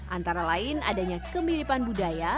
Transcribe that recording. antara lain adanya kemiripan budaya